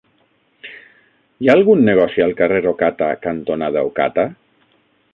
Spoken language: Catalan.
Hi ha algun negoci al carrer Ocata cantonada Ocata?